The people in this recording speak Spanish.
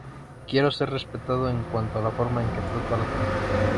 Quiero ser respetado en cuanto a la forma en que trato a la gente.